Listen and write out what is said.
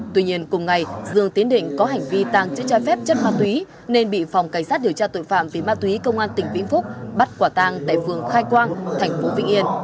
tuy nhiên cùng ngày dương tiến định có hành vi tăng chữ trai phép chất ma túy nên bị phòng cảnh sát điều tra tội phạm vì ma túy công an tỉnh vĩnh phúc bắt quả tăng tại phường khai quang thành phố vĩnh yên